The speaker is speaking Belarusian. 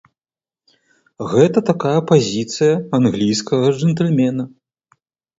Гэта такая пазіцыя англійскага джэнтльмена.